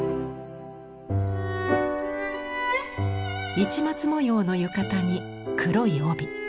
市松模様の浴衣に黒い帯。